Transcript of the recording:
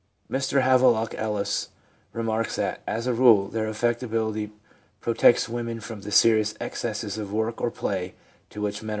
Mr Havelock Ellis remarks that, "As a rule, their affectibility protects women from the serious excesses of work or of play to which men are liable."